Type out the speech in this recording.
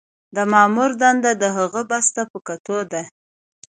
د مامور دنده د هغه بست ته په کتو ده.